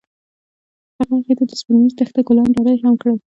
هغه هغې ته د سپوږمیز دښته ګلان ډالۍ هم کړل.